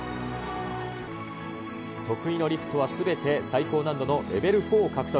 得意のリフトはすべて最高難度のレベル４を獲得。